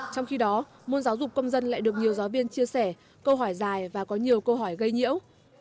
trong khi đó môn giáo dục công dân lại được nhiều giáo viên chia sẻ câu hỏi dài và có nhiều câu hỏi gây nhiễu